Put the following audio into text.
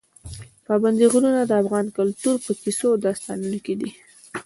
پابندي غرونه د افغان کلتور په کیسو او داستانونو کې دي.